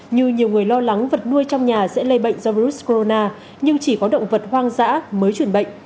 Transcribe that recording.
như nhiều người lo lắng vật nuôi trong nhà sẽ lây bệnh do virus corona nhưng chỉ có động vật hoang dã mới chuyển bệnh